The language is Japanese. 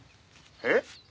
「えっ？